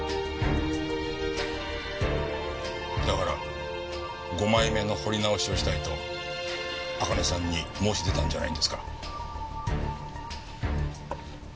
だから５枚目の彫り直しをしたいと茜さんに申し出たんじゃないんですか？